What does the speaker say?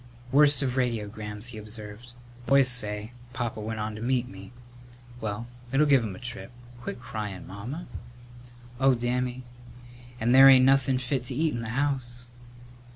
"Worst of radiograms," he observed; "the boys say Papa went on to meet me. Well, it'll give him a trip. Quit cryin', Mamma." "Oh, Dammy, and there ain't nothin' fit to eat in the house!"